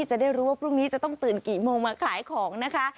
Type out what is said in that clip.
จะได้รู้ว่าพรุ่งนี้จะต้องตื่นกี่โมงมาขายของนะคะ